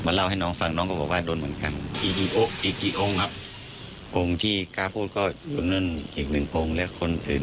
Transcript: เพราะขุมเชื้อ